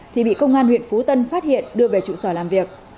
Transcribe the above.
thì bị công an huyện phú tân phát hiện đưa về trụ sở làm việc